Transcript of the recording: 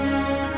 ini udah berakhir